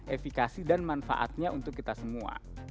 efekasi dan manfaatnya untuk kita semua